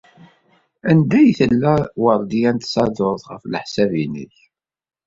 Anda ay tella Weṛdiya n Tsaḍurt, ɣef leḥsab-nnek?